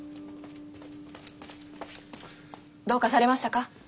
どうかされましたか？